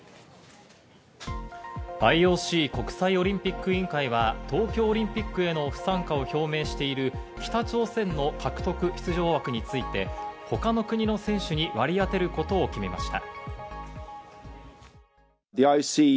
ＩＯＣ＝国際オリンピック委員会は東京オリンピックへの不参加を表明している北朝鮮の獲得出場枠について他の国の選手に割り当てることを決めました。